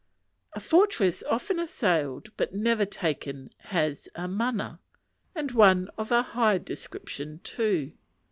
A fortress often assailed but never taken has a mana, and one of a high description too.